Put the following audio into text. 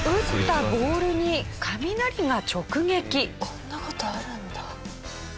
こんな事あるんだ。